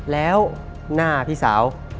แล้วหน้าพี่สาว